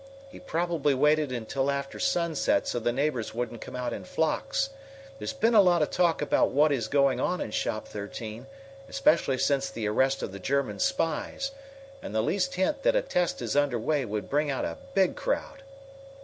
He probably waited until after sunset so the neighbors wouldn't come out in flocks. There's been a lot of talk about what is going on in Shop Thirteen, especially since the arrest of the German spies, and the least hint that a test is under way would bring out a big crowd."